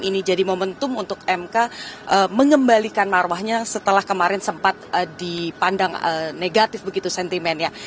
ini jadi momentum untuk mk mengembalikan marwahnya setelah kemarin sempat dipandang negatif begitu sentimennya